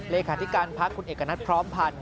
เลขาธิการพักคุณเอกณัฐพร้อมพันธ์